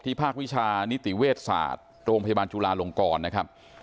ภาควิชานิติเวชศาสตร์โรงพยาบาลจุลาลงกรนะครับ